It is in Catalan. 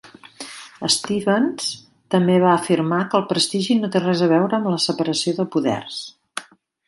Stevens també va afirmar que el prestigi no té res a veure amb la separació de poders.